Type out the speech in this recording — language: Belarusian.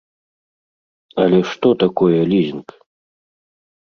Але што такое лізінг?